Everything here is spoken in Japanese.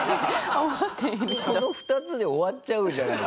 この２つで終わっちゃうじゃないですか。